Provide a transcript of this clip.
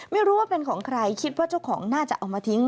ไม่รู้ว่าเป็นของใครคิดว่าเจ้าของน่าจะเอามาทิ้ง